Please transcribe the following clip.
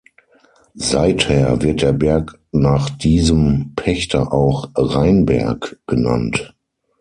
Seither wird der Berg nach diesem Pächter auch "Rainberg" genannt.